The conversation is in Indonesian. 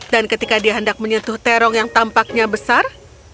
dan ketika dia hendak menyentuh terong yang tampaknya besar